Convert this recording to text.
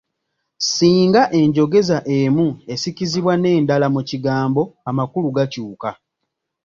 Singa enjogeza emu esikizibwa n’endala mu kigambo, amakulu gakyuka.